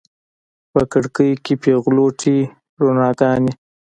په کړکیو کې پیغلوټې روڼاګانې